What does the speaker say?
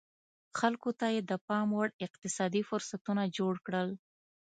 خلکو ته یې د پام وړ اقتصادي فرصتونه جوړ کړل